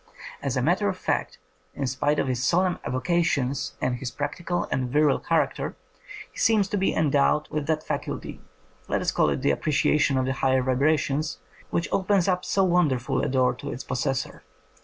As a matter of fact, in spite of his solemn avocations and his practical and virile character, he seems to be endowed with that faculty — let us call it the appreciation of higher vibrations — which opens up so wonderful a door to its possessor.